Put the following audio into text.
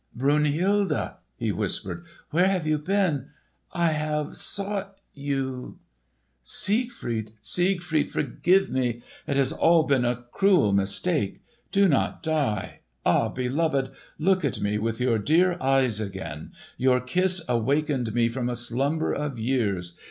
"Brunhilde!" he whispered. "Where have you been? I—have—sought you——" "Siegfried! Siegfried! forgive me! It has all been a cruel mistake! Do not die! Ah, beloved, look at me with your dear eyes again! Your kiss awakened me from a slumber of years.